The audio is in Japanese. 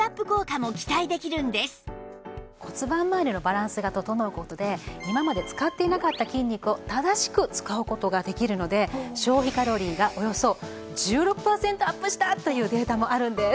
骨盤まわりのバランスが整う事で今まで使っていなかった筋肉を正しく使う事ができるので消費カロリーがおよそ１６パーセントアップしたというデータもあるんです。